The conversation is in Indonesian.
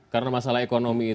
karena masalah ekonomi itu